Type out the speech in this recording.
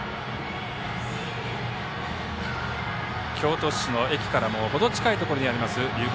京都市の駅からも程近いところにある龍谷